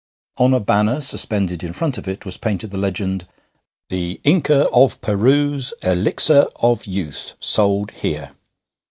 On a banner suspended in front of it was painted the legend: THE INCA OF PERU'S ELIXER OF YOUTH SOLD HERE.